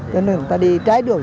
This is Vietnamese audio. cho nên người ta đi trái đường